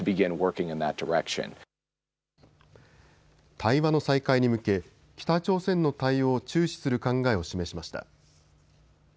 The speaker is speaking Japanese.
対話の再開に向け北朝鮮の対応を注視する考えを示しました。